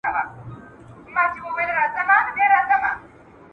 هغوی به په راتلونکي کي خوشحاله وي.